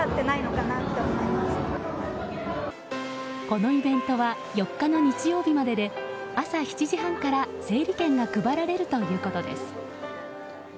このイベントは４日の日曜日までで朝７時半から整理券が配られるということです。